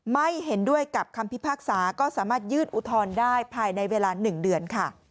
ไม่เห็นด้วยกับคำพิพากษาก็สามารถยืดอุทรได้ภายในเวลาหนึ่งเดือน